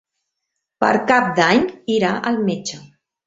Per Cap d'Any irà al metge.